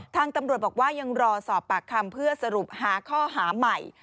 ทางตำรวจบอกว่ายังรอสอบปากคำเพื่อสรุปหาข้อหาใหม่